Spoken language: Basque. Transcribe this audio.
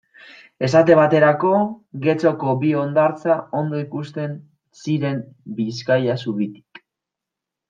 Esate baterako, Getxoko bi hondartza ondo ikusten ziren Bizkaia zubitik.